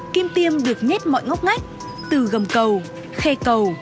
kim tiêm được nhét mọi ngóc ngách từ gầm cầu khe cầu